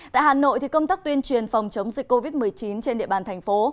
tại hà nội công tác tuyên truyền phòng chống dịch covid một mươi chín trên địa bàn thành phố